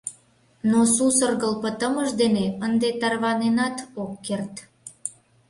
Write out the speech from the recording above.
Но сусыргыл пытымыж дене ынде тарваненат ок керт.